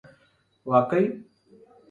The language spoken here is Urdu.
واقعی